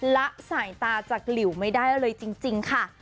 ละสายตาจากหลิวไม่ได้เลยจริงค่ะ